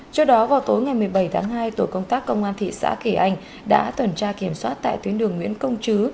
trước đó vào tối ngày một mươi bảy tháng hai tổ công tác công an thị xã kỳ anh đã tuần tra kiểm soát tại tuyến đường nguyễn công chứ